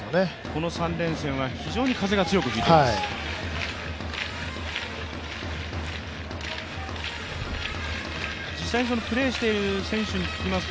この３連戦は風が非常に強く吹いています。